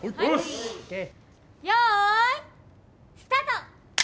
よいスタート！